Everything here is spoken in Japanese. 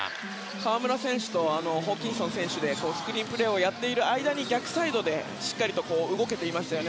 河村選手とホーキンソン選手でスクリーンプレーの間に逆サイドで、しっかり動けていましたよね。